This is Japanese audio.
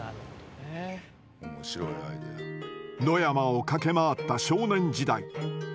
野山を駆け回った少年時代。